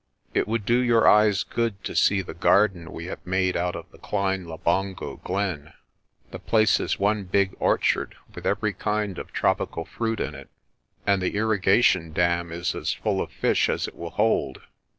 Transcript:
It would do your eyes good to see the garden we have made out of the Klein Labongo glen. The place is one big orchard with every kind of tropical fruit in it, and the irrigation dam is as full of fish as it will hold.